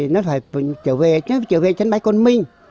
nó phải trở về sân bay con minh